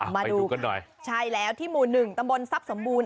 มาดูกันหน่อยใช่แล้วที่หมู่หนึ่งตำบลทรัพย์สมบูรณ